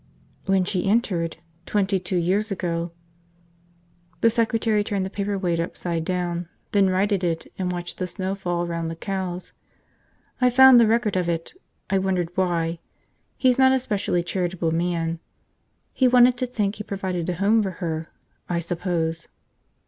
"When she entered. Twenty two years ago." The secretary turned the paperweight upside down, then righted it, and watched the snow fall around the cows. "I found the record of it. I wondered why ... he's not a specially charitable man. .. he wanted to think he provided a home for her, I suppose."